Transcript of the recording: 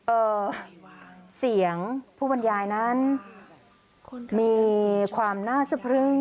เอ่อเสียงผู้บรรยายนั้นมีความน่าสะพรึ่ง